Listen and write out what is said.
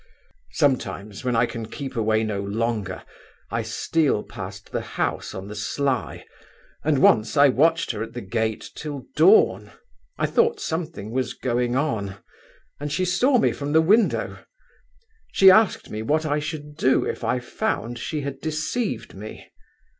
Sometimes when I can keep away no longer, I steal past the house on the sly, and once I watched at the gate till dawn—I thought something was going on—and she saw me from the window. She asked me what I should do if I found she had deceived me.